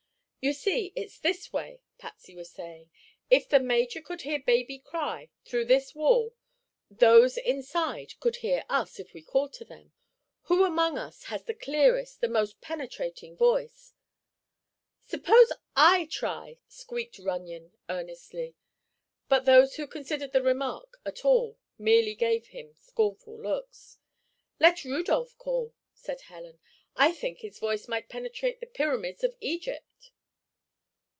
"You see, it's this way," Patsy was saying; "if the major could hear baby cry, through this wall, those inside could hear us, if we called to them. Who among us has the clearest, the most penetrating voice?" "Suppose I try?" squeaked Runyon, earnestly; but those who considered the remark at all merely gave him scornful looks. "Let Rudolph call," said Helen. "I think his voice might penetrate the pyramids of Egypt."